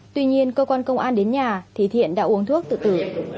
tuy nhiên cơ quan công an đến nhà thì thiện đã uống thuốc tự tử